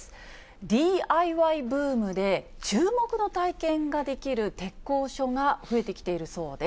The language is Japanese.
ＤＩＹブームで注目の体験ができる鉄工所が増えてきているそうです。